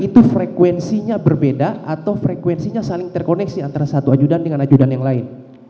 itu frekuensinya berbeda atau frekuensinya saling terkoneksi antara satu ajudan dengan ajudan yang lain